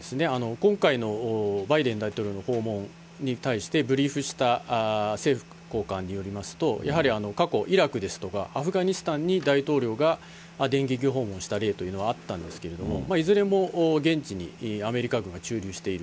今回のバイデン大統領の訪問に対して、ブリーフした政府高官によりますと、やはり過去、イラクですとか、アフガニスタンに大統領が電撃訪問した例というのは、あったんですけれども、いずれも現地にアメリカ軍が駐留している。